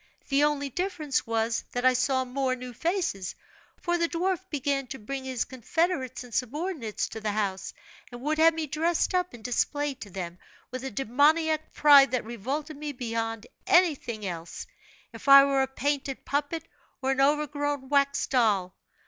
The only difference was, that I saw more new faces; for the dwarf began to bring his confederates and subordinates to the house, and would have me dressed up and displayed to them, with a demoniac pride that revolted me beyond everything else, if I were a painted puppet or an overgrown wax doll.